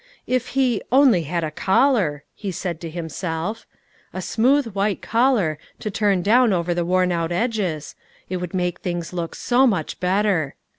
If he "only had a collar," he said to himself, "a smooth white collar, to turn down over the worn out edges, it would make things look so much better."